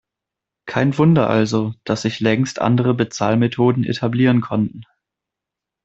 Kein Wunder also, dass sich längst andere Bezahlmethoden etablieren konnten.